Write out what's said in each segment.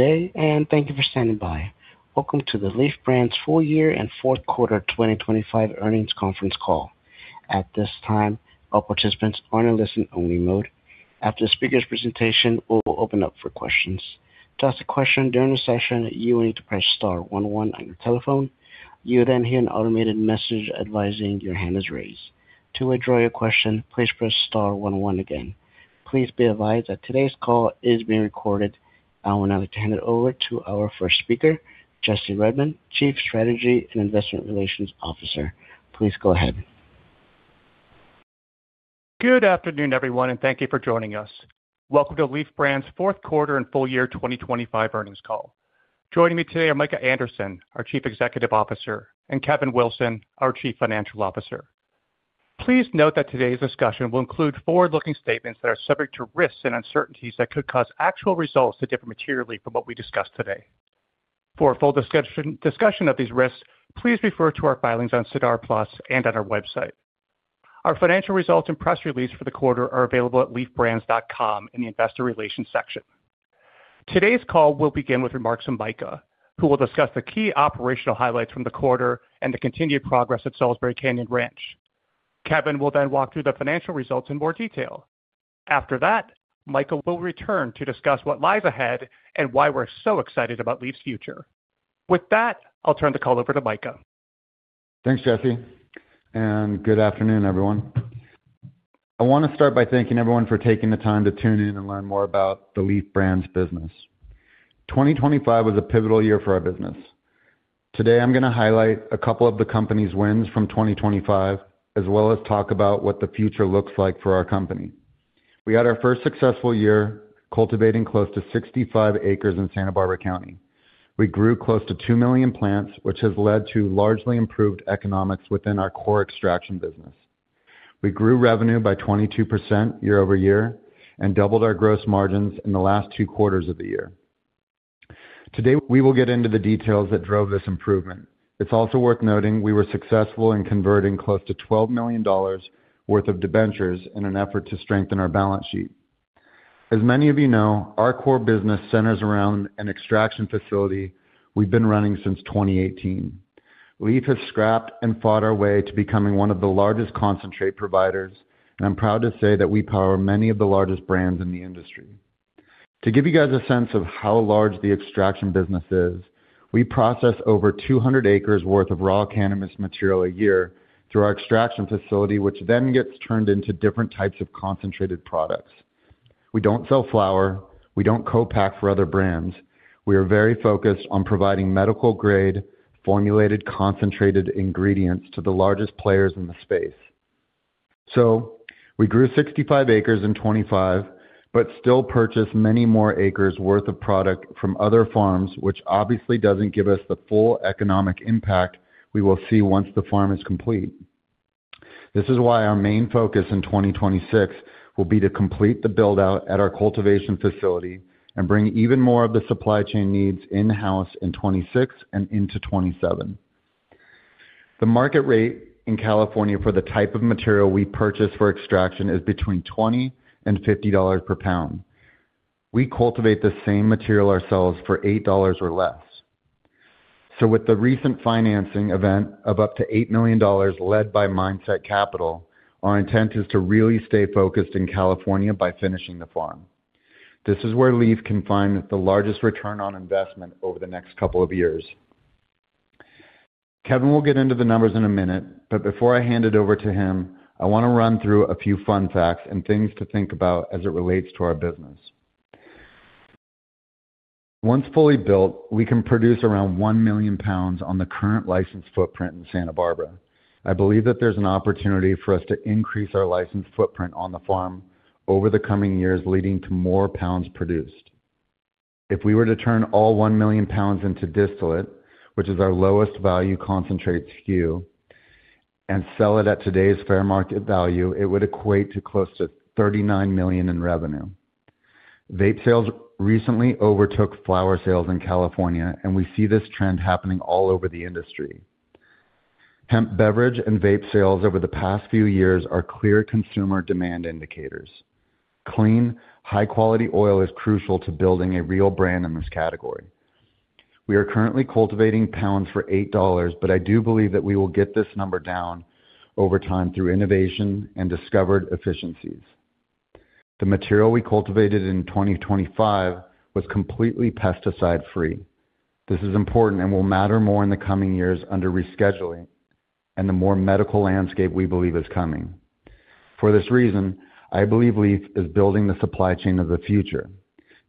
day, and thank you for standing by. Welcome to the Leef Brands full year and fourth quarter 2025 earnings conference call. At this time, all participants are in a listen-only mode. After the speaker's presentation, we'll open up for questions. To ask a question during the session, you will need to press star one one on your telephone. You'll then hear an automated message advising your hand is raised. To withdraw your question, please press star one one again. Please be advised that today's call is being recorded. I would now like to hand it over to our first speaker, Jesse Redmond, Chief Strategy and Investor Relations Officer. Please go ahead. Good afternoon, everyone, and thank you for joining us. Welcome to Leef Brands fourth quarter and full year 2025 earnings call. Joining me today are Micah Anderson, our Chief Executive Officer, and Kevin Wilson, our Chief Financial Officer. Please note that today's discussion will include forward-looking statements that are subject to risks and uncertainties that could cause actual results to differ materially from what we discuss today. For a full discussion of these risks, please refer to our filings on SEDAR+ and on our website. Our financial results and press release for the quarter are available at leefbrands.com in the investor relations section. Today's call will begin with remarks from Micah, who will discuss the key operational highlights from the quarter and the continued progress at Salisbury Canyon Ranch. Kevin will then walk through the financial results in more detail. After that, Micah will return to discuss what lies ahead and why we're so excited about Leef's future. With that, I'll turn the call over to Micah. Thanks, Jesse, and good afternoon, everyone. I want to start by thanking everyone for taking the time to tune in and learn more about the Leef Brands business. 2025 was a pivotal year for our business. Today, I'm going to highlight a couple of the company's wins from 2025, as well as talk about what the future looks like for our company. We had our first successful year cultivating close to 65 acres in Santa Barbara County. We grew close to 2 million plants, which has led to largely improved economics within our core extraction business. We grew revenue by 22% year-over-year and doubled our gross margins in the last 2 quarters of the year. Today, we will get into the details that drove this improvement. It's also worth noting we were successful in converting close to $12 million worth of debentures in an effort to strengthen our balance sheet. As many of you know, our core business centers around an extraction facility we've been running since 2018. Leef has scrapped and fought our way to becoming one of the largest concentrate providers, and I'm proud to say that we power many of the largest brands in the industry. To give you guys a sense of how large the extraction business is, we process over 200 acres worth of raw cannabis material a year through our extraction facility, which then gets turned into different types of concentrated products. We don't sell flower. We don't co-pack for other brands. We are very focused on providing medical-grade, formulated, concentrated ingredients to the largest players in the space. We grew 65 acres in 2025, but still purchase many more acres worth of product from other farms, which obviously doesn't give us the full economic impact we will see once the farm is complete. This is why our main focus in 2026 will be to complete the build-out at our cultivation facility and bring even more of the supply chain needs in-house in 2026 and into 2027. The market rate in California for the type of material we purchase for extraction is between $20-$50 per pound. We cultivate the same material ourselves for $8 or less. With the recent financing event of up to $8 million led by Mindset Capital, our intent is to really stay focused in California by finishing the farm. This is where Leef can find the largest return on investment over the next couple of years. Kevin will get into the numbers in a minute, but before I hand it over to him, I want to run through a few fun facts and things to think about as it relates to our business. Once fully built, we can produce around 1 million pounds on the current licensed footprint in Santa Barbara. I believe that there's an opportunity for us to increase our licensed footprint on the farm over the coming years, leading to more pounds produced. If we were to turn all 1 million pounds into distillate, which is our lowest value concentrate SKU, and sell it at today's fair market value, it would equate to close to $39 million in revenue. Vape sales recently overtook flower sales in California, and we see this trend happening all over the industry. Hemp beverage and vape sales over the past few years are clear consumer demand indicators. Clean, high-quality oil is crucial to building a real brand in this category. We are currently cultivating pounds for $8, but I do believe that we will get this number down over time through innovation and discovered efficiencies. The material we cultivated in 2025 was completely pesticide-free. This is important and will matter more in the coming years under rescheduling and the more medical landscape we believe is coming. For this reason, I believe Leef is building the supply chain of the future.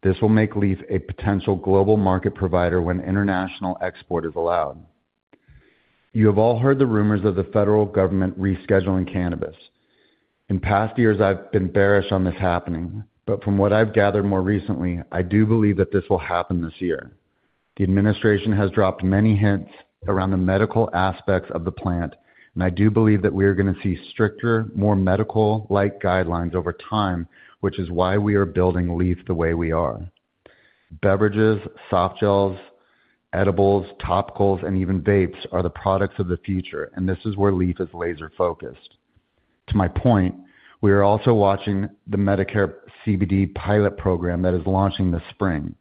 This will make Leef a potential global market provider when international export is allowed. You have all heard the rumors of the federal government rescheduling cannabis. In past years, I've been bearish on this happening, but from what I've gathered more recently, I do believe that this will happen this year. The administration has dropped many hints around the medical aspects of the plant, and I do believe that we are going to see stricter, more medical-like guidelines over time, which is why we are building Leef the way we are. Beverages, softgels, edibles, topicals, and even vapes are the products of the future, and this is where Leef is laser-focused. To my point, we are also watching the Medicare CBD pilot program that is launching this spring.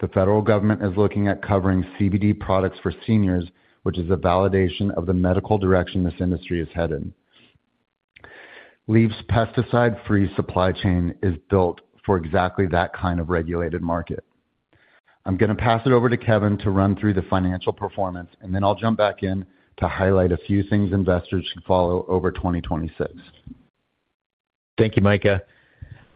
The federal government is looking at covering CBD products for seniors, which is a validation of the medical direction this industry is headed. Leef's pesticide-free supply chain is built for exactly that kind of regulated market. I'm gonna pass it over to Kevin to run through the financial performance, and then I'll jump back in to highlight a few things investors should follow over 2026. Thank you, Micah.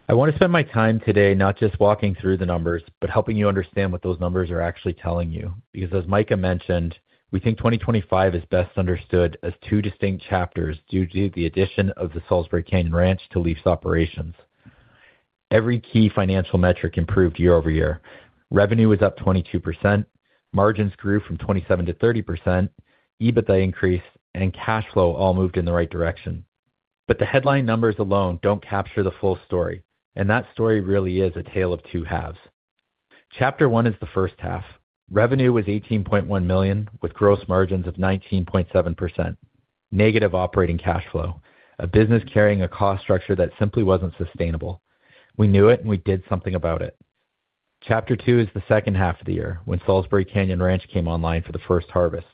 I wanna spend my time today not just walking through the numbers, but helping you understand what those numbers are actually telling you. Because as Micah mentioned, we think 2025 is best understood as two distinct chapters due to the addition of the Salisbury Canyon Ranch to Leef's operations. Every key financial metric improved year-over-year. Revenue was up 22%, margins grew from 27%-30%, EBITDA increased, and cash flow all moved in the right direction. The headline numbers alone don't capture the full story, and that story really is a tale of two halves. Chapter one is the first half. Revenue was $18.1 million, with gross margins of 19.7%. Negative operating cash flow. A business carrying a cost structure that simply wasn't sustainable. We knew it, and we did something about it. Chapter two is the second half of the year, when Salisbury Canyon Ranch came online for the first harvest.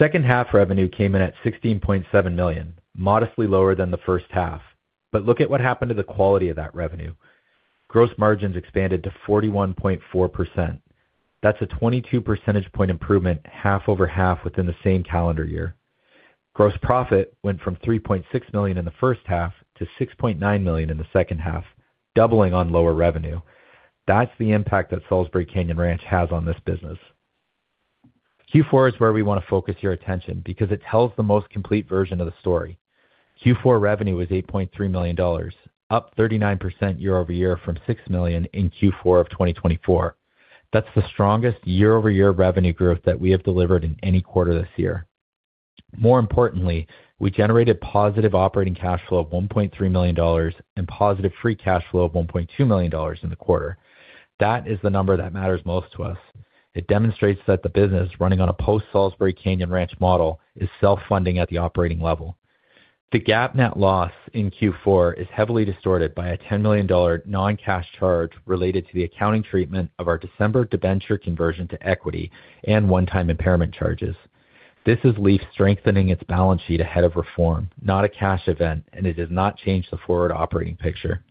Second half revenue came in at $16.7 million, modestly lower than the first half. Look at what happened to the quality of that revenue. Gross margins expanded to 41.4%. That's a 22 percentage point improvement, half over half within the same calendar year. Gross profit went from $3.6 million in the first half to $6.9 million in the second half, doubling on lower revenue. That's the impact that Salisbury Canyon Ranch has on this business. Q4 is where we wanna focus your attention because it tells the most complete version of the story. Q4 revenue was $8.3 million, up 39% year-over-year from $6 million in Q4 of 2024. That's the strongest year-over-year revenue growth that we have delivered in any quarter this year. More importantly, we generated positive operating cash flow of $1.3 million and positive free cash flow of $1.2 million in the quarter. That is the number that matters most to us. It demonstrates that the business running on a post-Salisbury Canyon Ranch model is self-funding at the operating level. The GAAP net loss in Q4 is heavily distorted by a $10 million non-cash charge related to the accounting treatment of our December debenture conversion to equity and one-time impairment charges. This is Leef strengthening its balance sheet ahead of reform, not a cash event, and it does not change the forward operating picture.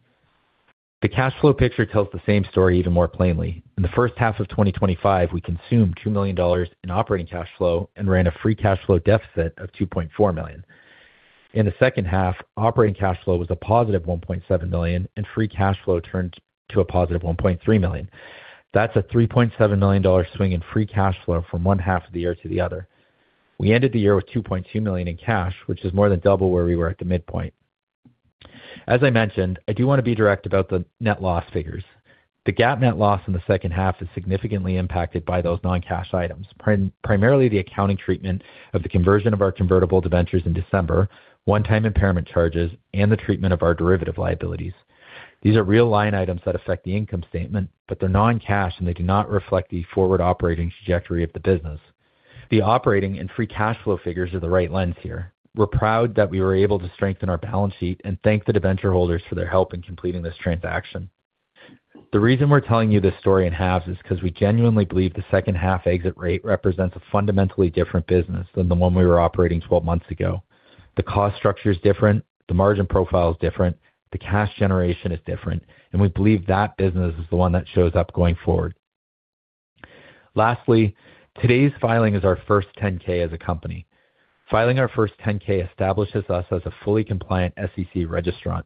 The cash flow picture tells the same story even more plainly. In the first half of 2025, we consumed $2 million in operating cash flow and ran a free cash flow deficit of $2.4 million. In the second half, operating cash flow was a positive $1.7 million, and free cash flow turned to a positive $1.3 million. That's a $3.7 million swing in free cash flow from one half of the year to the other. We ended the year with $2.2 million in cash, which is more than double where we were at the midpoint. As I mentioned, I do wanna be direct about the net loss figures. The GAAP net loss in the second half is significantly impacted by those non-cash items, primarily the accounting treatment of the conversion of our convertible debentures in December, one-time impairment charges, and the treatment of our derivative liabilities. These are real line items that affect the income statement, but they're non-cash, and they do not reflect the forward operating trajectory of the business. The operating and free cash flow figures are the right lens here. We're proud that we were able to strengthen our balance sheet and thank the debenture holders for their help in completing this transaction. The reason we're telling you this story in halves is 'cause we genuinely believe the second half exit rate represents a fundamentally different business than the one we were operating 12 months ago. The cost structure is different, the margin profile is different, the cash generation is different, and we believe that business is the one that shows up going forward. Lastly, today's filing is our first 10-K as a company. Filing our first 10-K establishes us as a fully compliant SEC registrant.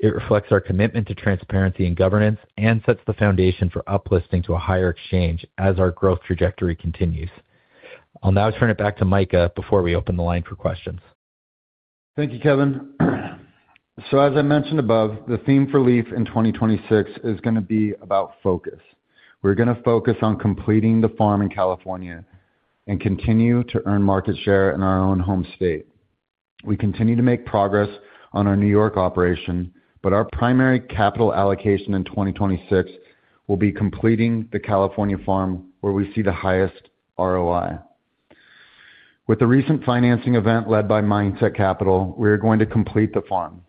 It reflects our commitment to transparency and governance and sets the foundation for up-listing to a higher exchange as our growth trajectory continues. I'll now turn it back to Micah before we open the line for questions. Thank you, Kevin. As I mentioned above, the theme for Leef in 2026 is gonna be about focus. We're gonna focus on completing the farm in California and continue to earn market share in our own home state. We continue to make progress on our New York operation, but our primary capital allocation in 2026 will be completing the California farm, where we see the highest ROI. With the recent financing event led by Mindset Capital, we are going to complete the farm.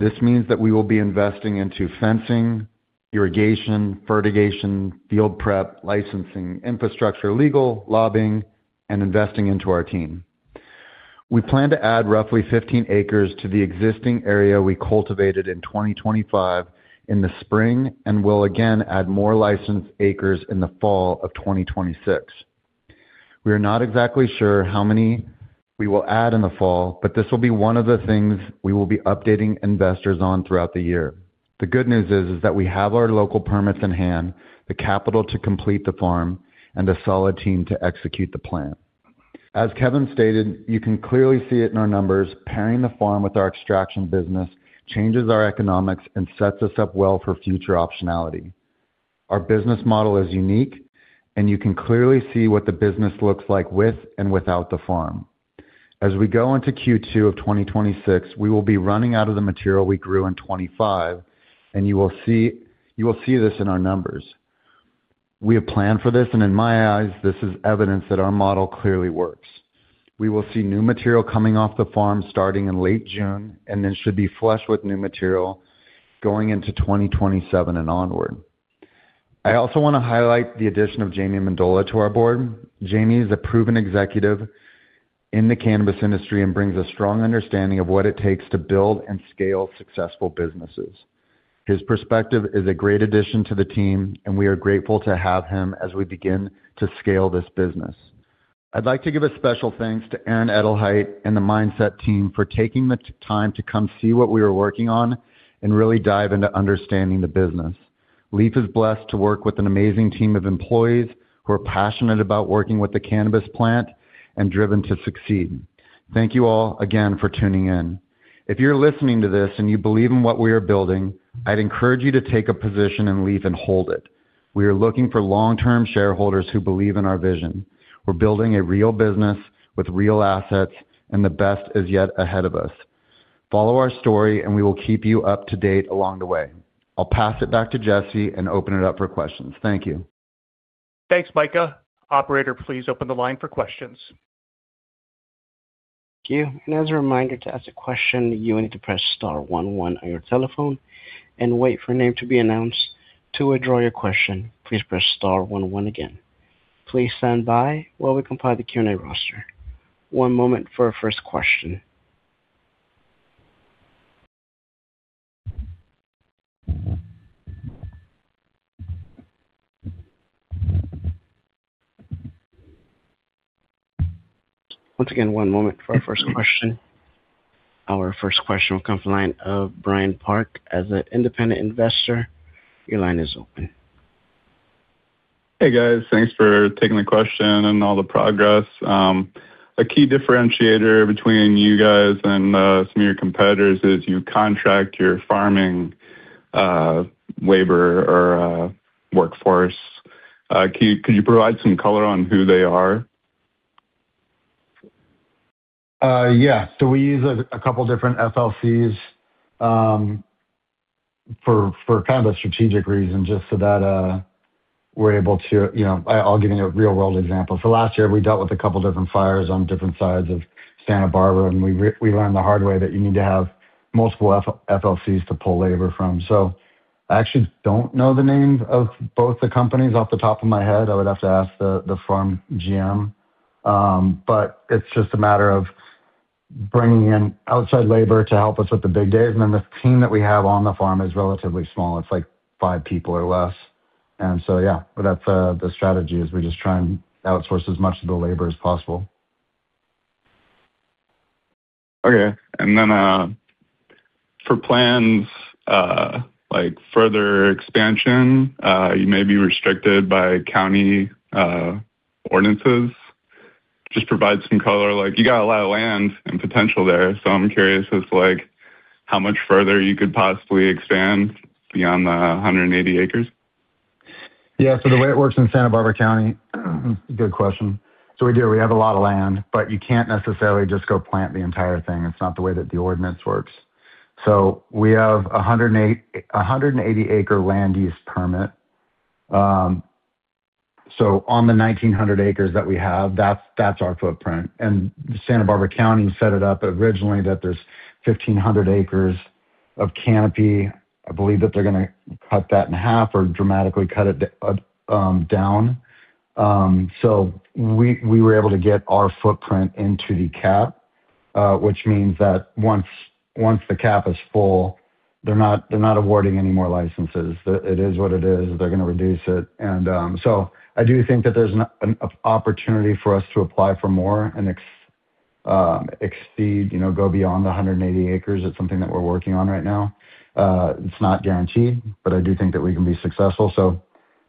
This means that we will be investing into fencing, irrigation, fertigation, field prep, licensing, infrastructure, legal, lobbying, and investing into our team. We plan to add roughly 15 acres to the existing area we cultivated in 2025 in the spring and will again add more licensed acres in the fall of 2026. We are not exactly sure how many we will add in the fall, but this will be one of the things we will be updating investors on throughout the year. The good news is that we have our local permits in hand, the capital to complete the farm, and a solid team to execute the plan. As Kevin stated, you can clearly see it in our numbers, pairing the farm with our extraction business changes our economics and sets us up well for future optionality. Our business model is unique, and you can clearly see what the business looks like with and without the farm. As we go into Q2 of 2026, we will be running out of the material we grew in 2025, and you will see this in our numbers. We have planned for this, and in my eyes, this is evidence that our model clearly works. We will see new material coming off the farm starting in late June, and then should be flush with new material going into 2027 and onward. I also want to highlight the addition of Jamie Mendola to our board. Jamie is a proven executive in the cannabis industry and brings a strong understanding of what it takes to build and scale successful businesses. His perspective is a great addition to the team, and we are grateful to have him as we begin to scale this business. I'd like to give a special thanks to Aaron Edelheit and the Mindset team for taking the time to come see what we were working on and really dive into understanding the business. Leef is blessed to work with an amazing team of employees who are passionate about working with the cannabis plant and driven to succeed. Thank you all again for tuning in. If you're listening to this and you believe in what we are building, I'd encourage you to take a position in Leef and hold it. We are looking for long-term shareholders who believe in our vision. We're building a real business with real assets, and the best is yet ahead of us. Follow our story, and we will keep you up to date along the way. I'll pass it back to Jesse and open it up for questions. Thank you. Thanks, Micah. Operator, please open the line for questions. Thank you. As a reminder, to ask a question, you will need to press star one one on your telephone and wait for a name to be announced. To withdraw your question, please press star one one again. Please stand by while we compile the Q&A roster. One moment for our first question. Our first question will come from the line of Brian Park as an Independent Investor. Your line is open. Hey, guys. Thanks for taking the question and all the progress. A key differentiator between you guys and some of your competitors is you contract your farming labor or workforce. Could you provide some color on who they are? We use a couple different FLCs for kind of a strategic reason, just so that we're able to, you know. I'll give you a real-world example. Last year, we dealt with a couple different fires on different sides of Santa Barbara, and we learned the hard way that you need to have multiple FLCs to pull labor from. I actually don't know the names of both the companies off the top of my head. I would have to ask the farm GM. But it's just a matter of bringing in outside labor to help us with the big days, and then the team that we have on the farm is relatively small. It's like five people or less. Yeah, that's the strategy. We just try and outsource as much of the labor as possible. Okay. For plans, like further expansion, you may be restricted by county ordinances. Just provide some color, like you got a lot of land and potential there. I'm curious as to, like, how much further you could possibly expand beyond the 180 acres. The way it works in Santa Barbara County. Good question. We have a lot of land, but you can't necessarily just go plant the entire thing. It's not the way that the ordinance works. We have a 180-acre Land Use Permit. On the 1,900 acres that we have, that's our footprint. Santa Barbara County set it up originally that there's 1,500 acres of canopy. I believe that they're gonna cut that in half or dramatically cut it down. We were able to get our footprint into the cap, which means that once the cap is full, they're not awarding any more licenses. It is what it is. They're gonna reduce it. I do think that there's an opportunity for us to apply for more and exceed, you know, go beyond the 180 acres. It's something that we're working on right now. It's not guaranteed, but I do think that we can be successful.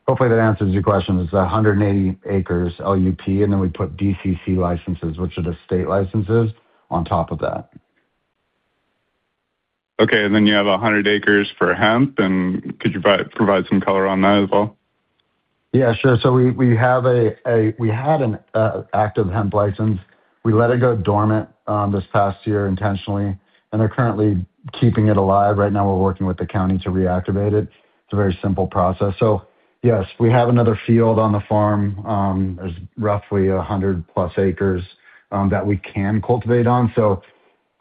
Hopefully that answers your question. It's a 180 acres LUP, and then we put DCC licenses, which are the state licenses, on top of that. Okay. You have 100 acres for hemp, and could you provide some color on that as well? Yeah, sure. We had an active hemp license. We let it go dormant this past year intentionally, and they're currently keeping it alive. Right now, we're working with the county to reactivate it. It's a very simple process. Yes, we have another field on the farm. There's roughly 100+ acres that we can cultivate on.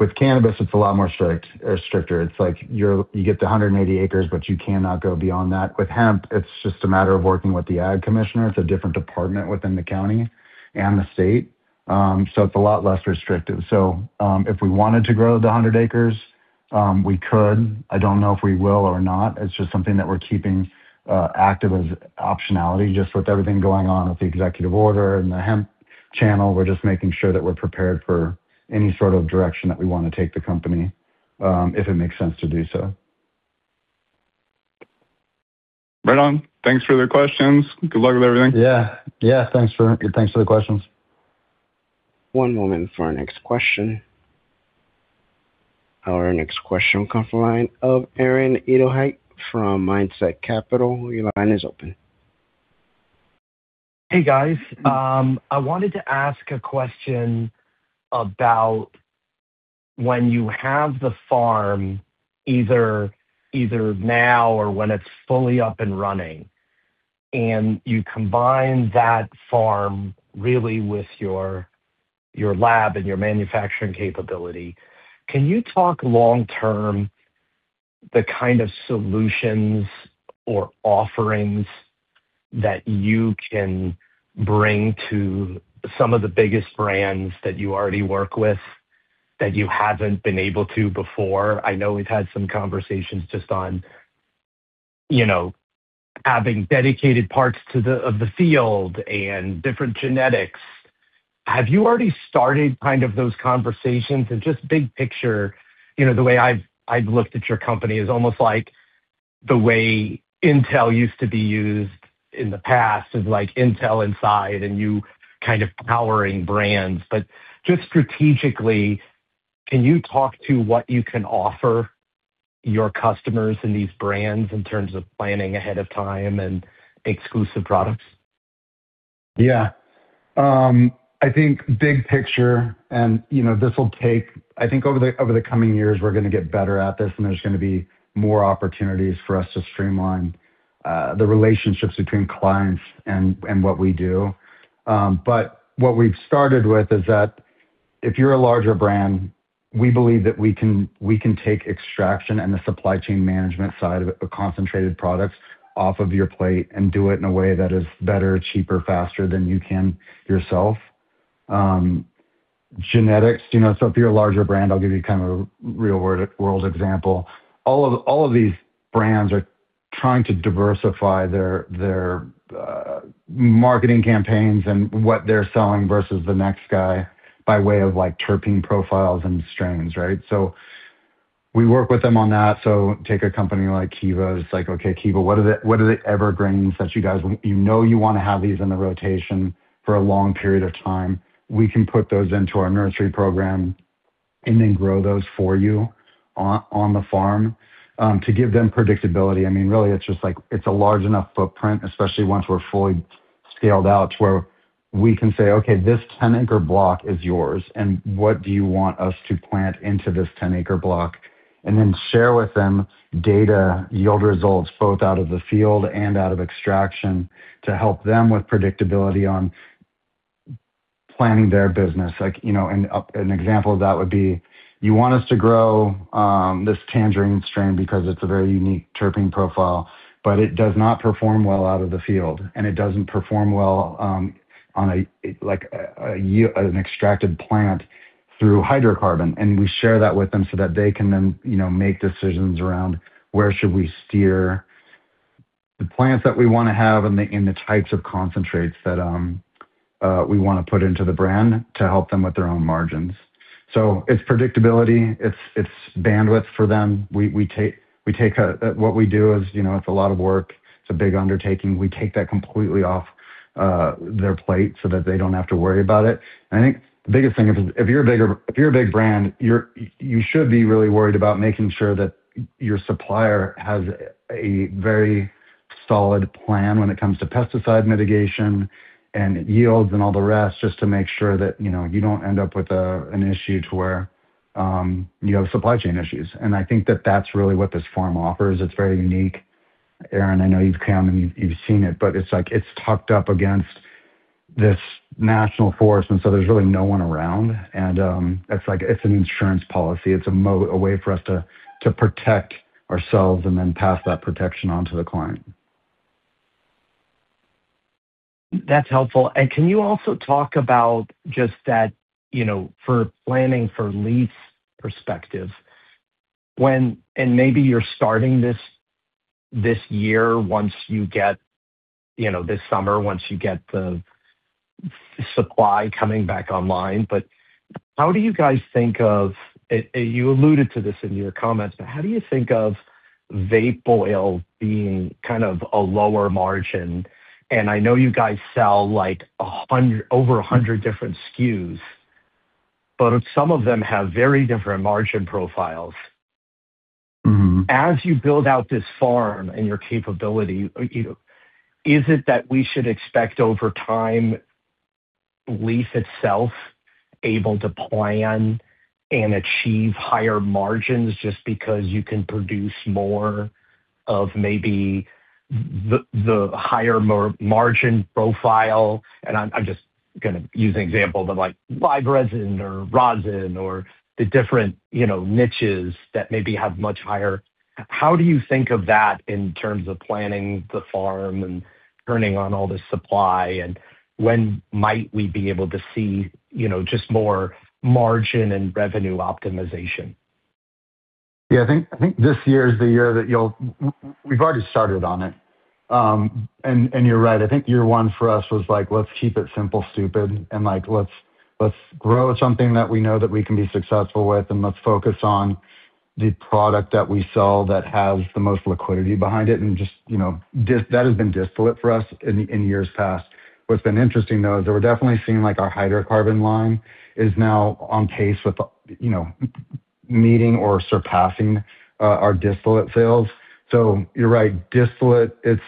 With cannabis, it's a lot more strict, or stricter. It's like you get the 180 acres, but you cannot go beyond that. With hemp, it's just a matter of working with the ag commissioner. It's a different department within the county and the state. It's a lot less restrictive. If we wanted to grow the 100 acres, we could. I don't know if we will or not. It's just something that we're keeping active as optionality. Just with everything going on with the executive order and the hemp channel, we're just making sure that we're prepared for any sort of direction that we want to take the company, if it makes sense to do so. Brian. Thanks for the questions. Good luck with everything. Yeah. Thanks for the questions. One moment for our next question. Our next question will come from the line of Aaron Edelheit from Mindset Capital. Your line is open. Hey guys, I wanted to ask a question about when you have the farm either now or when it's fully up and running, and you combine that farm really with your lab and your manufacturing capability. Can you talk long-term, the kind of solutions or offerings that you can bring to some of the biggest brands that you already work with that you haven't been able to before? I know we've had some conversations just on, you know, having dedicated parts of the field and different genetics. Have you already started kind of those conversations? Just big picture, you know, the way I've looked at your company is almost like the way Intel used to be used in the past of, like, Intel Inside and you kind of powering brands. Just strategically, can you talk to what you can offer your customers and these brands in terms of planning ahead of time and exclusive products? I think big picture, you know, this will take I think over the coming years, we're gonna get better at this, and there's gonna be more opportunities for us to streamline the relationships between clients and what we do. But what we've started with is that if you're a larger brand, we believe that we can take extraction and the supply chain management side of it, the concentrated products, off of your plate and do it in a way that is better, cheaper, faster than you can yourself. Genetics, you know. If you're a larger brand, I'll give you kind of a real world example. All of these brands are trying to diversify their marketing campaigns and what they're selling versus the next guy by way of, like, terpene profiles and strains, right? We work with them on that. Take a company like Kiva. It's like, okay, Kiva, what are the, what are the evergreens that you guys you know you wanna have these in the rotation for a long period of time. We can put those into our nursery program and then grow those for you on the farm, to give them predictability. I mean, really, it's just like it's a large enough footprint, especially once we're fully scaled out, to where we can say, "Okay, this 10-acre block is yours, and what do you want us to plant into this 10-acre block?" Then share with them data yield results, both out of the field and out of extraction, to help them with predictability on planning their business. Like, you know, an example of that would be you want us to grow this tangerine strain because it's a very unique terpene profile, but it does not perform well out of the field, and it doesn't perform well on a, like an extracted plant through hydrocarbon. We share that with them so that they can then, you know, make decisions around where should we steer the plants that we wanna have and the types of concentrates that we wanna put into the brand to help them with their own margins. It's predictability. It's bandwidth for them. What we do is, you know, it's a lot of work. It's a big undertaking. We take that completely off their plate so that they don't have to worry about it. I think the biggest thing is if you're a big brand, you should be really worried about making sure that your supplier has a very solid plan when it comes to pesticide mitigation and yields and all the rest, just to make sure that, you know, you don't end up with an issue to where you have supply chain issues. I think that that's really what this farm offers. It's very unique. Aaron, I know you've come and you've seen it, but it's like it's tucked up against this national forest, and so there's really no one around. It's like, it's an insurance policy. It's a way for us to protect ourselves and then pass that protection on to the client. That's helpful. Can you also talk about just that, you know, for planning from Leef's perspective, when and maybe you're starting this year once you get, you know, this summer, once you get the supply coming back online. How do you guys think of and you alluded to this in your comments, but how do you think of vape oil being kind of a lower margin? I know you guys sell like 100, over 100 different SKUs, but some of them have very different margin profiles. Mm-hmm. As you build out this farm and your capability, you know, is it that we should expect over time Leef itself able to plan and achieve higher margins just because you can produce more of maybe the higher margin profile? I'm just gonna use an example, but like live resin or rosin or the different, you know, niches that maybe have much higher. How do you think of that in terms of planning the farm and turning on all this supply, and when might we be able to see, you know, just more margin and revenue optimization? Yeah. I think this year is the year that you'll. We've already started on it. You're right. I think year one for us was like, let's keep it simple, stupid, and let's grow something that we know that we can be successful with, and let's focus on the product that we sell that has the most liquidity behind it and just you know. That has been distillate for us in years past. What's been interesting, though, is that we're definitely seeing like our hydrocarbon line is now on pace with you know meeting or surpassing our distillate sales. You're right. Distillate, it's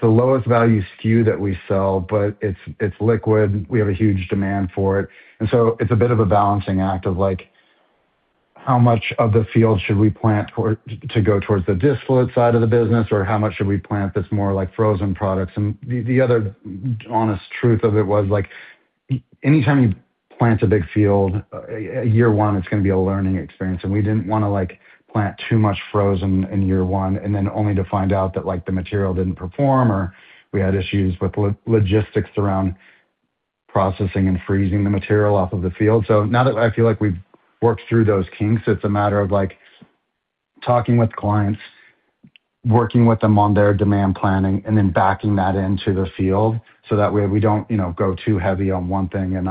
the lowest value SKU that we sell, but it's liquid. We have a huge demand for it. It's a bit of a balancing act of like, how much of the field should we plant to go towards the distillate side of the business, or how much should we plant that's more like frozen products? The other honest truth of it was like, anytime you plant a big field, year one, it's going to be a learning experience. We didn't want to, like, plant too much frozen in year one and then only to find out that, like, the material didn't perform or we had issues with logistics around processing and freezing the material off of the field. Now that I feel like we've worked through those kinks, it's a matter of, like, talking with clients, working with them on their demand planning, and then backing that into the field so that way we don't, you know, go too heavy on one thing and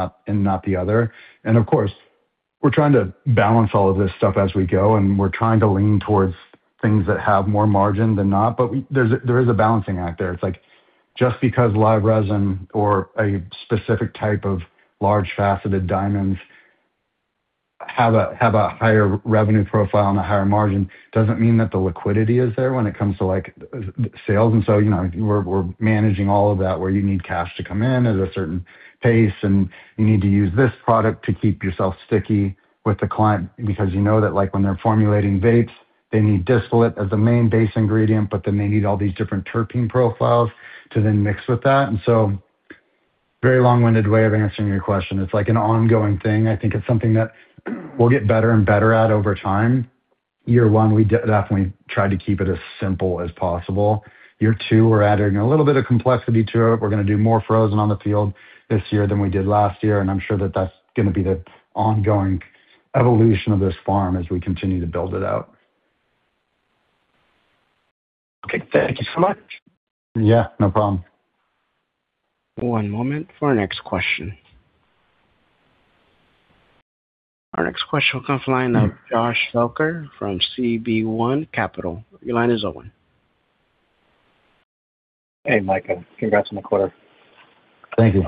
not the other. Of course, we're trying to balance all of this stuff as we go, and we're trying to lean towards things that have more margin than not. There is a balancing act there. It's like just because live resin or a specific type of large faceted diamonds have a higher revenue profile and a higher margin doesn't mean that the liquidity is there when it comes to like sales. You know, we're managing all of that, where you need cash to come in at a certain pace, and you need to use this product to keep yourself sticky with the client because you know that, like when they're formulating vapes, they need distillate as the main base ingredient, but then they need all these different terpene profiles to then mix with that. Very long-winded way of answering your question. It's like an ongoing thing. I think it's something that we'll get better and better at over time. Year one, we definitely tried to keep it as simple as possible. Year two, we're adding a little bit of complexity to it. We're going to do more frozen on the field this year than we did last year, and I'm sure that that's going to be the ongoing evolution of this farm as we continue to build it out. Okay. Thank you so much. Yeah, no problem. One moment for our next question. Our next question will come from the line of Josh Felker from CB1 Capital. Your line is open. Hey, Micah. Congrats on the quarter. Thank you.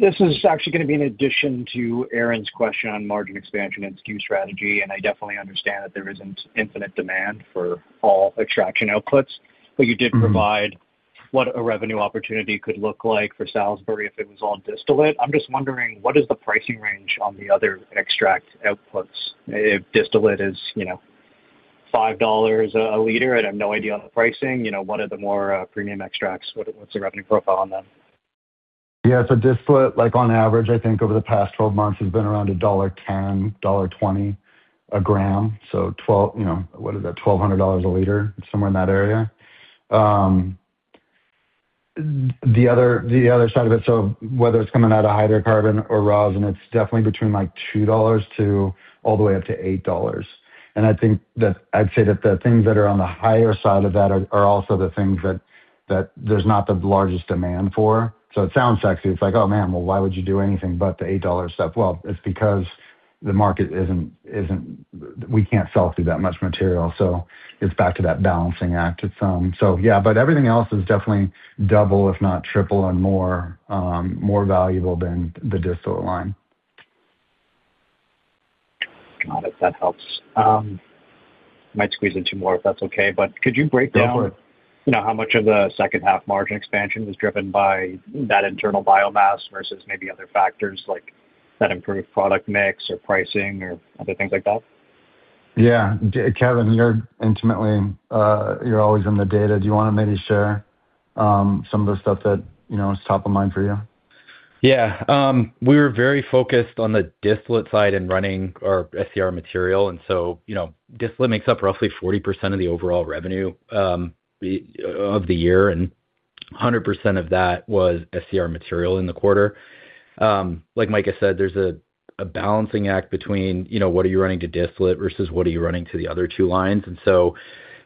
This is actually going to be an addition to Aaron's question on margin expansion and SKU strategy. I definitely understand that there isn't infinite demand for all extraction outputs. Mm-hmm. You did provide what a revenue opportunity could look like for Salisbury if it was all distillate. I'm just wondering what is the pricing range on the other extract outputs? If distillate is, you know, $5 a liter, I have no idea on the pricing. You know, what are the more premium extracts, what's the revenue profile on them? Distillate, like on average, I think over the past 12 months has been around $1.10-$1.20 a gram. You know, what is that? $1,200 a liter. Somewhere in that area. The other side of it, whether it's coming out of hydrocarbon or rosin, it's definitely between like $2 to all the way up to $8. I think that I'd say that the things that are on the higher side of that are also the things that there's not the largest demand for. It sounds sexy. It's like, oh, man, well, why would you do anything but the $8 stuff? Well, it's because the market isn't. We can't sell through that much material, so it's back to that balancing act at some. Yeah, but everything else is definitely double, if not triple and more, valuable than the distillate line. Got it. That helps. Might squeeze in two more if that's okay. Could you break down. Go for it. You know, how much of the second-half margin expansion was driven by that internal biomass versus maybe other factors like that improved product mix or pricing or other things like that? Yeah. Kevin, you're intimately, you're always in the data. Do you want to maybe share, some of the stuff that you know is top of mind for you? Yeah. We were very focused on the distillate side and running our SCR material, and so, you know, distillate makes up roughly 40% of the overall revenue of the year, and 100% of that was SCR material in the quarter. Like Micah said, there's a balancing act between, you know, what are you running to distillate versus what are you running to the other two lines.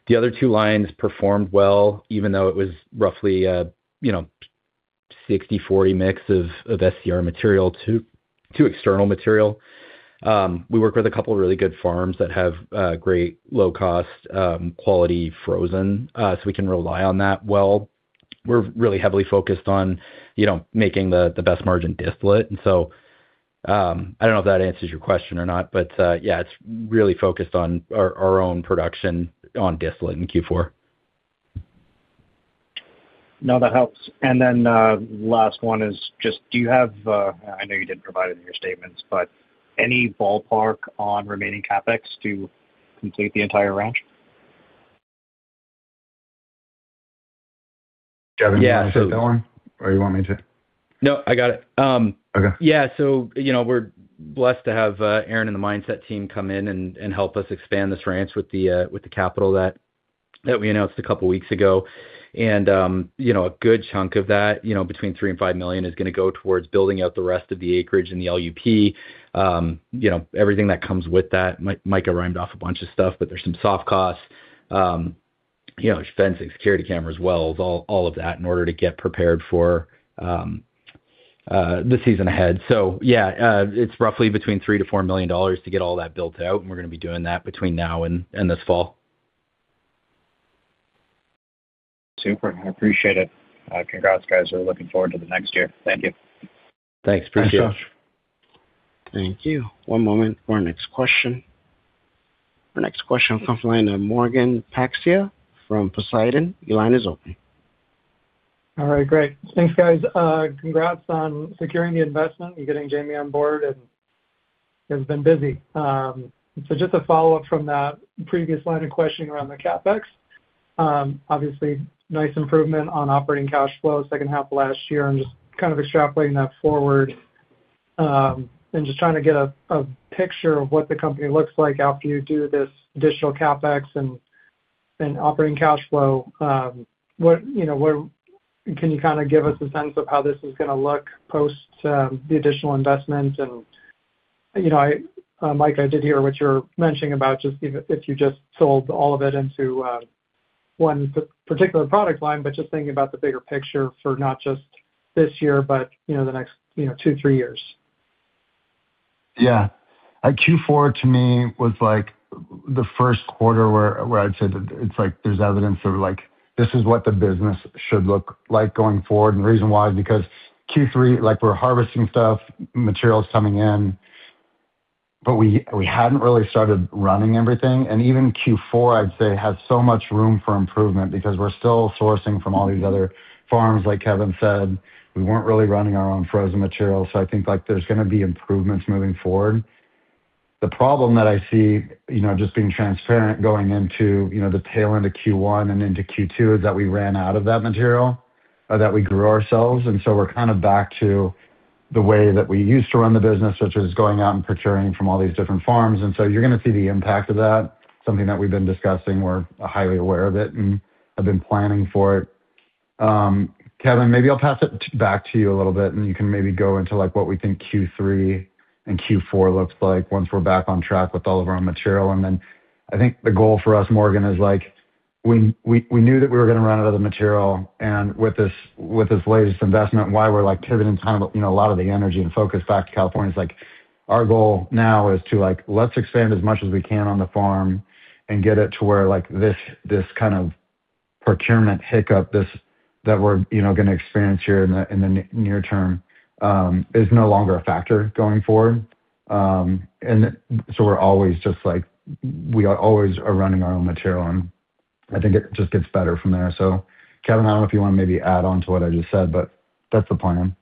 The other two lines performed well, even though it was roughly a 60/40 mix of SCR material to external material. We work with a couple of really good farms that have great low cost quality frozen, so we can rely on that well. We're really heavily focused on, you know, making the best margin distillate. I don't know if that answers your question or not, but yeah, it's really focused on our own production on distillate in Q4. No, that helps. Last one is just do you have, I know you didn't provide it in your statements, but any ballpark on remaining CapEx to complete the entire ranch? Kevin, do you want to take that one or you want me to? No, I got it. Okay. Yeah. You know, we're blessed to have Aaron and the Mindset team come in and help us expand this ranch with the capital that we announced a couple of weeks ago. You know, a good chunk of that, you know, between $3 million and $5 million is going to go towards building out the rest of the acreage in the LUP. You know, everything that comes with that. Micah rhymed off a bunch of stuff, but there's some soft costs, you know, fencing, security cameras, wells, all of that in order to get prepared for the season ahead. Yeah, it's roughly between $3million-$4 million to get all that built out, and we're going to be doing that between now and this fall. Super. I appreciate it. Congrats guys. We're looking forward to the next year. Thank you. Thanks. Appreciate it. Thanks, y'all. Thank you. One moment for our next question. Our next question comes from the line of Morgan Paxhia from Poseidon. Your line is open. All right, great. Thanks, guys. Congrats on securing the investment and getting Jamie on board, and you guys have been busy. So just a follow-up from that previous line of questioning around the CapEx. Obviously nice improvement on operating cash flow second half of last year. I'm just kind of extrapolating that forward, and just trying to get a picture of what the company looks like after you do this additional CapEx and operating cash flow. What, you know, can you kind of give us a sense of how this is gonna look post the additional investment? You know, I, Mike, I did hear what you were mentioning about just even if you just sold all of it into one particular product line, but just thinking about the bigger picture for not just this year, but, you know, the next, you know, two, three years. Yeah. Q4 to me was, like, the first quarter where I'd say that it's like there's evidence of, like, this is what the business should look like going forward. The reason why is because Q3, like, we're harvesting stuff, material's coming in, but we hadn't really started running everything. Even Q4, I'd say, has so much room for improvement because we're still sourcing from all these other farms, like Kevin said. We weren't really running our own frozen material. I think, like, there's gonna be improvements moving forward. The problem that I see, you know, just being transparent going into, you know, the tail end of Q1 and into Q2, is that we ran out of that material that we grew ourselves, and so we're kind of back to the way that we used to run the business, which is going out and procuring from all these different farms. You're gonna see the impact of that, something that we've been discussing. We're highly aware of it and have been planning for it. Kevin, maybe I'll pass it back to you a little bit, and you can maybe go into, like, what we think Q3 and Q4 looks like once we're back on track with all of our own material. I think the goal for us, Morgan, is like when we knew that we were gonna run out of the material, and with this latest investment, why we're like pivoting kind of, you know, a lot of the energy and focus back to California is like our goal now is to like let's expand as much as we can on the farm and get it to where like this kind of procurement hiccup that we're you know gonna experience here in the near term is no longer a factor going forward. And so we're always just like we are always running our own material, and I think it just gets better from there. Kevin, I don't know if you wanna maybe add on to what I just said, but that's the plan.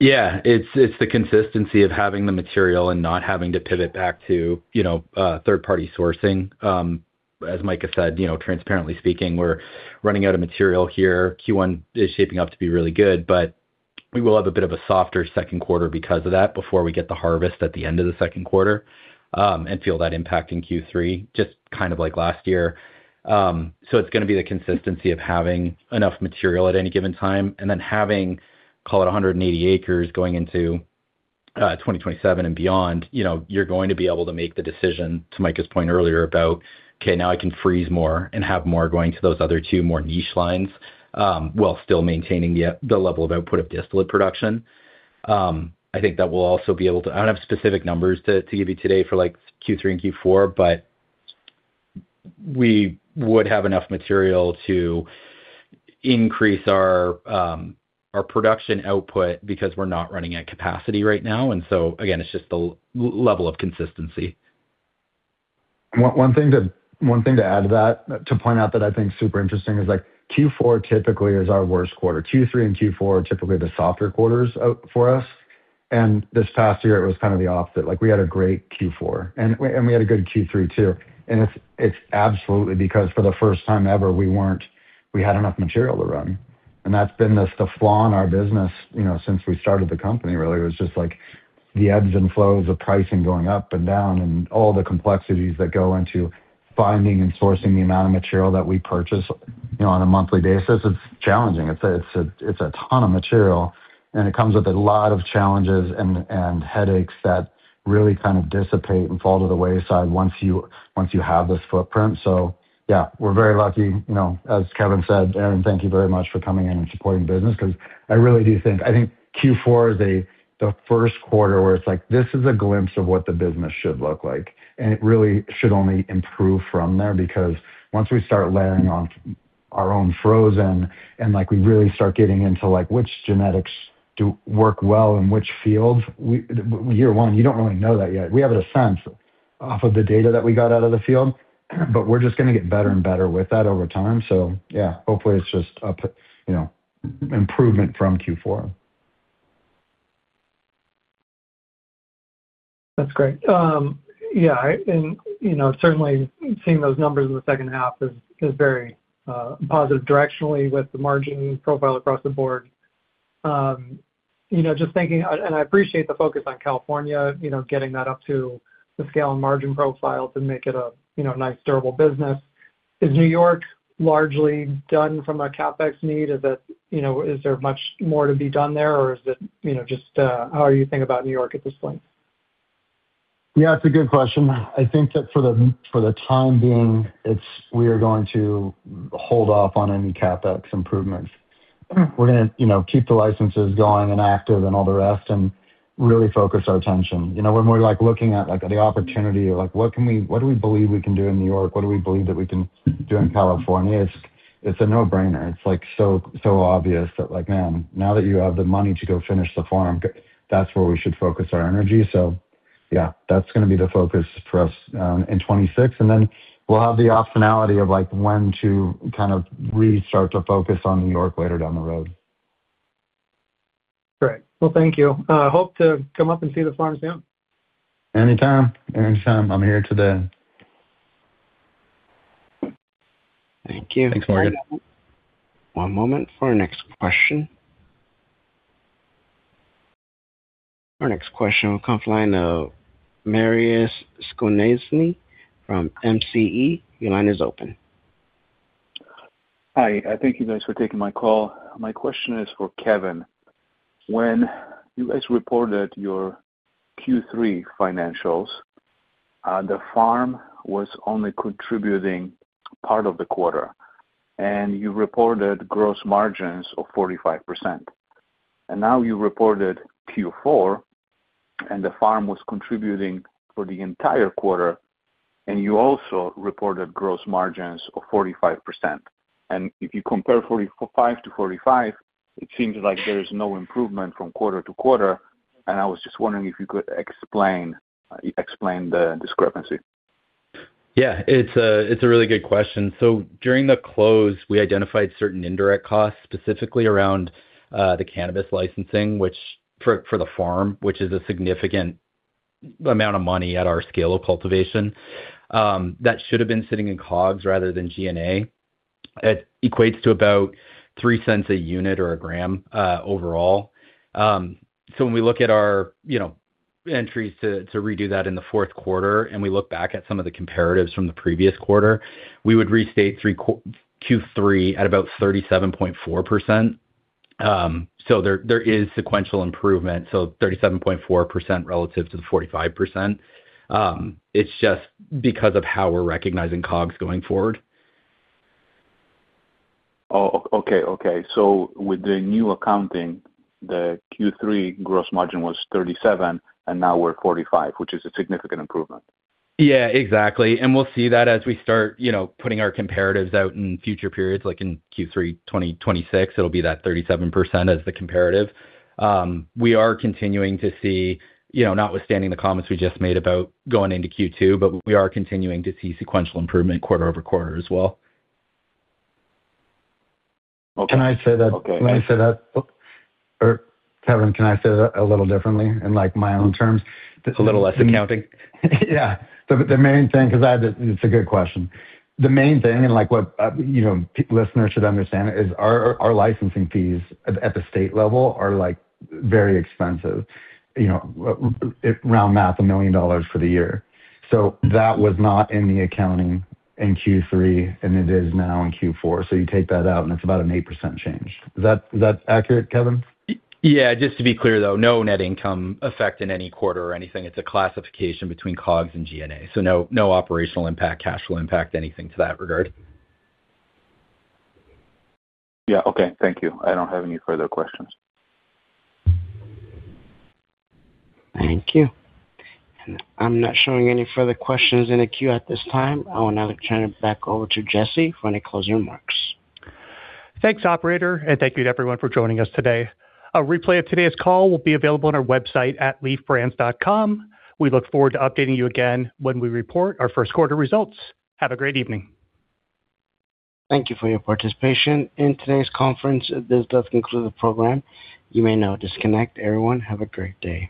Yeah. It's the consistency of having the material and not having to pivot back to, you know, third-party sourcing. As Mike has said, you know, transparently speaking, we're running out of material here. Q1 is shaping up to be really good, but we will have a bit of a softer second quarter because of that before we get the harvest at the end of the second quarter, and feel that impact in Q3, just kind of like last year. It's gonna be the consistency of having enough material at any given time, and then having, call it 180 acres going into 2027 and beyond. You know, you're going to be able to make the decision, to Mike's point earlier, about, okay, now I can freeze more and have more going to those other two more niche lines, while still maintaining the level of output of distillate production. I think that we'll also be able to. I don't have specific numbers to give you today for like Q3 and Q4, but we would have enough material to increase our production output because we're not running at capacity right now. Again, it's just the level of consistency. One thing to add to that, to point out that I think is super interesting is like Q4 typically is our worst quarter. Q3 and Q4 are typically the softer quarters for us, and this past year it was kind of the opposite. Like, we had a great Q4, and we had a good Q3 too. It's absolutely because for the first time ever, we had enough material to run. That's been the flaw in our business, you know, since we started the company, really. It was just like the ebbs and flows of pricing going up and down and all the complexities that go into finding and sourcing the amount of material that we purchase, you know, on a monthly basis. It's challenging. It's a ton of material, and it comes with a lot of challenges and headaches that really kind of dissipate and fall to the wayside once you have this footprint. Yeah, we're very lucky. You know, as Kevin said, Aaron, thank you very much for coming in and supporting business because I really do think I think Q4 is the first quarter where it's like, this is a glimpse of what the business should look like. It really should only improve from there because once we start layering on our own frozen and, like, we really start getting into, like, which genetics do work well in which fields, year one, you don't really know that yet. We have a sense off of the data that we got out of the field, but we're just gonna get better and better with that over time. Yeah, hopefully it's just up, you know, improvement from Q4. That's great. You know, certainly seeing those numbers in the second half is very positive directionally with the margin profile across the board. I appreciate the focus on California, you know, getting that up to the scale and margin profile to make it a, you know, nice, durable business. Is New York largely done from a CapEx need? Is it, you know, is there much more to be done there, or is it, you know, just... How are you thinking about New York at this point? Yeah, it's a good question. I think that for the time being, it's we are going to hold off on any CapEx improvements. We're gonna, you know, keep the licenses going and active and all the rest and really focus our attention. You know, we're more like looking at, like, the opportunity or like what do we believe we can do in New York? What do we believe that we can do in California? It's a no-brainer. It's like so obvious that like, man, now that you have the money to go finish the farm, that's where we should focus our energy. Yeah, that's gonna be the focus for us in 2026. We'll have the optionality of like when to kind of restart to focus on New York later down the road. Great. Well, thank you. Hope to come up and see the farm soon. Anytime. I'm here today. Thank you. Thanks, Morgan. One moment for our next question. Our next question will come from the line of Mariusz Skonieczny from MCE. Your line is open. Hi. Thank you guys for taking my call. My question is for Kevin. When you guys reported your Q3 financials, the farm was only contributing part of the quarter, and you reported gross margins of 45%. Now you reported Q4, and the farm was contributing for the entire quarter, and you also reported gross margins of 45%. If you compare 45% to 45%, it seems like there is no improvement from quarter to quarter, and I was just wondering if you could explain the discrepancy. Yeah. It's a really good question. During the close, we identified certain indirect costs, specifically around the cannabis licensing, which for the farm is a significant amount of money at our scale of cultivation, that should have been sitting in COGS rather than G&A. It equates to about $0.03 a unit or a gram, overall. When we look at our, you know, entries to redo that in the fourth quarter and we look back at some of the comparatives from the previous quarter, we would restate Q3 at about 37.4%. There is sequential improvement, 37.4% relative to the 45%. It's just because of how we're recognizing COGS going forward. Oh, okay. With the new accounting, the Q3 gross margin was 37% and now we're at 45%, which is a significant improvement. Yeah, exactly. We'll see that as we start, you know, putting our comparatives out in future periods, like in Q3 2026, it'll be that 37% as the comparative. We are continuing to see, you know, notwithstanding the comments we just made about going into Q2, but we are continuing to see sequential improvement quarter-over-quarter as well. Okay. Can I say that? Okay. Can I say that? Or, Kevin, can I say that a little differently in, like, my own terms? A little less accounting? It's a good question. The main thing, like, what you know, listeners should understand is our licensing fees at the state level are, like, very expensive. You know, round math, $1 million for the year. That was not in the accounting in Q3, and it is now in Q4. You take that out, and it's about an 8% change. Is that accurate, Kevin? Yeah. Just to be clear, though, no net income effect in any quarter or anything. It's a classification between COGS and G&A. No, no operational impact, cash flow impact, anything to that regard. Yeah, okay. Thank you. I don't have any further questions. Thank you. I'm not showing any further questions in the queue at this time. I will now turn it back over to Jesse for any closing remarks. Thanks, operator, and thank you to everyone for joining us today. A replay of today's call will be available on our website at leefbrands.com. We look forward to updating you again when we report our first quarter results. Have a great evening. Thank you for your participation in today's conference. This does conclude the program. You may now disconnect. Everyone, have a great day.